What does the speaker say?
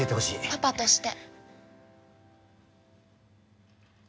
パパとして。